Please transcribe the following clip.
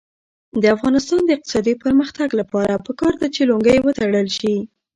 د افغانستان د اقتصادي پرمختګ لپاره پکار ده چې لونګۍ وتړل شي.